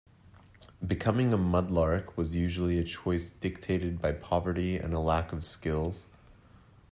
Becoming a mudlark was usually a choice dictated by poverty and lack of skills.